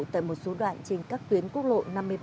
tại một số đoạn trên các tuyến quốc lộ năm mươi ba năm mươi bảy